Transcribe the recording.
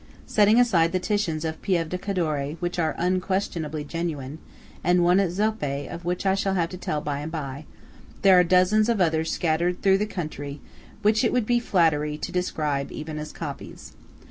Setting aside the Titians of Pieve di Cadore, which are unquestionably genuine, and one at Zoppé of which I shall have to tell by and by, there are dozens of others scattered through the country which it would be flattery to describe as even copies.